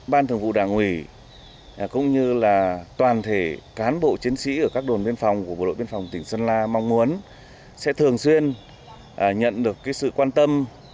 ban thường vụ đảng ủy cũng như là toàn thể cán bộ chiến sĩ ở các đồn biên phòng của bộ đội biên phòng tỉnh sơn la mong muốn sẽ thường xuyên nhận được sự quan tâm